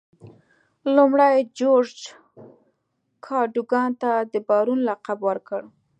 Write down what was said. لومړي جورج کادوګان ته د بارون لقب ورکړ.